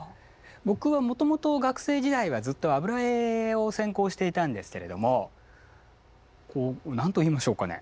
僕はもともと学生時代はずっと油絵を専攻していたんですけれどもこう何と言いましょうかね。